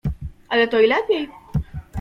"Ale to i lepiej."